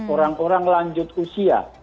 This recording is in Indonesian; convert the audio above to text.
orang orang lanjut usia